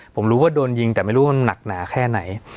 ผมรู้ว่าโดนยิงแต่ไม่รู้ว่ามันหนักหนาแค่ไหน